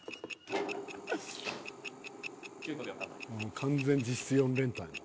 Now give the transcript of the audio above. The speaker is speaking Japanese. ［完全実質４連単や］